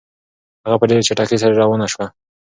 هغه په ډېرې چټکۍ سره روانه شوه.